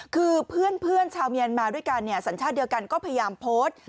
คือเพื่อนชาวเมียนมาด้วยกันเนี่ยสัญชาติเดียวกันก็พยายามโพสต์